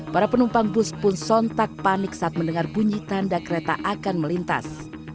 para penumpang bus pun sontak panik saat mendengar bunyi tanda kereta akan melintas